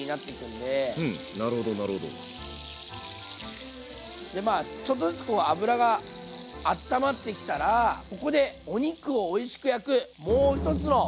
でまあちょっとずつ油があったまってきたらここでお肉をおいしく焼くもう一つのポイント